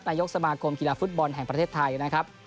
นายกสมาคมกีฬาฟุตบอลแห่งประเทศไทยนะครับ